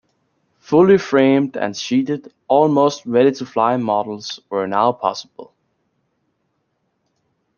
Fully framed and sheeted almost ready-to-fly models were now possible.